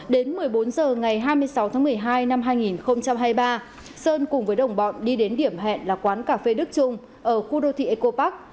đến một mươi bốn h ngày hai mươi sáu tháng một mươi hai năm hai nghìn hai mươi ba sơn cùng với đồng bọn đi đến điểm hẹn là quán cà phê đức trung ở khu đô thị eco park